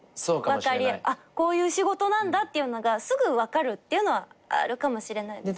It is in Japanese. あっこういう仕事なんだっていうのがすぐ分かるっていうのはあるかもしれないですね。